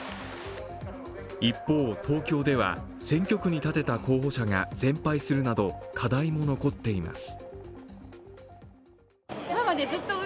一方、東京では選挙区に立てた候補者が全敗するなど課題も残っています。